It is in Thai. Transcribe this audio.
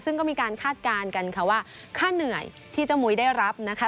ซึ่งก็มีการคาดการณ์กันค่ะว่าค่าเหนื่อยที่เจ้ามุ้ยได้รับนะคะ